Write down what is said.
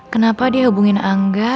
kenapa dia hubungin angga